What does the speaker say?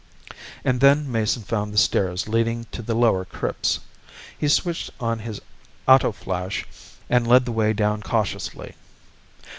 And then Mason found the stairs leading to the lower crypts. He switched on his ato flash and led the way down cautiously.